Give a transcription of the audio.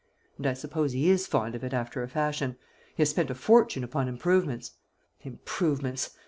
And I suppose he is fond of it, after a fashion. He has spent a fortune upon improvements. Improvements!"